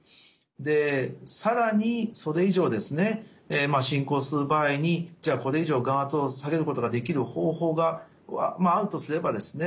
で更にそれ以上ですね進行する場合にじゃあこれ以上眼圧を下げることができる方法があるとすればですね